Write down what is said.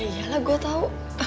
iya lah gue tau